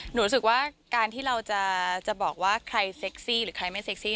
รู้สึกว่าการที่เราจะบอกว่าใครเซ็กซี่หรือใครไม่เซ็กซี่